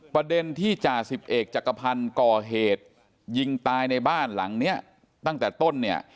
ประเด็นที่จ่าสิบเอกจักรพันธ์ก่อเหตุยิงตายในบ้านหลังเนี้ยตั้งแต่ต้นเนี่ย